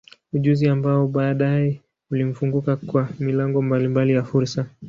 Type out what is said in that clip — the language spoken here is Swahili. Ujuzi ambao baadaye ulimfunguka kwa milango mbalimbali ya fursa.